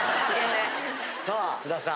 さあ津田さん